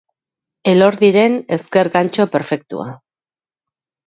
Elordiren ezker gantxo perfektua.